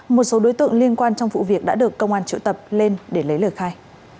một số đối tượng liên quan trong vụ việc đã được công an triệu tập lên để lấy lời khai